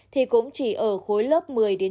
thì cũng chỉ ở khối lớp một mươi một mươi hai